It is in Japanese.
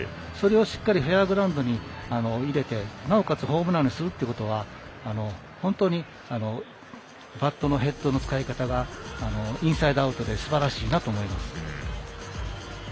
それをしっかりフェアグラウンドに打ててなおかつホームランにすることは本当にバットのヘッドの使い方がインサイドアウトですばらしいなと思います。